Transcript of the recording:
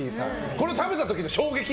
これを食べた時の衝撃。